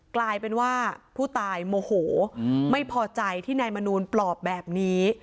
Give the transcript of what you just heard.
กลายเป็นว่าผู้ตายโมโหไม่พอใจที่นายมนูลปลอบแบบนี้